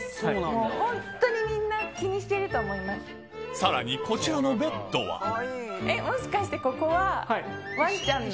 さらにこちらのベッドはえっもしかしてここは。